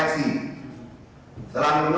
setelah menunggu kemudian bertumpul